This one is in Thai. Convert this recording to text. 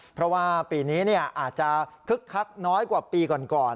เพราะว่าปีนี้อาจจะคึกคักน้อยกว่าปีก่อน